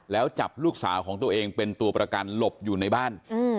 แล้วจับลูกสาวของตัวเองเป็นตัวประกันหลบอยู่ในบ้าน